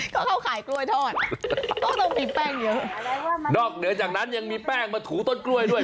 ก็เข้าขายกล้วยทอดก็ต้องมีแป้งเยอะนอกเหนือจากนั้นยังมีแป้งมาถูต้นกล้วยด้วย